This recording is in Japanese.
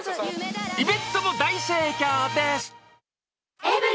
イベントも大盛況です。